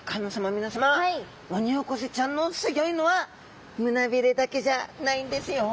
皆さまオニオコゼちゃんのすギョいのは胸鰭だけじゃないんですよ！